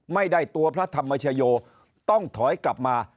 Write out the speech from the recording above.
ไม่ได้ตัวพระธรรมชโยต้องถอยกลับมา